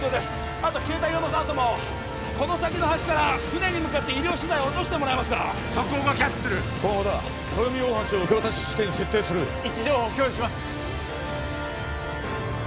あと携帯用の酸素もこの先の橋から船に向かって医療資材を落としてもらえますか即応がキャッチする駒場だ豊海大橋を受け渡し地点に設定する位置情報共有します